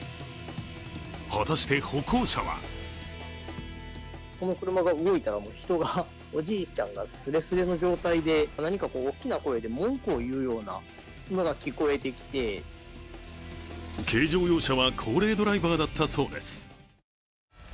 果たして歩行者は軽乗用車は高齢ドライバーだったそうです。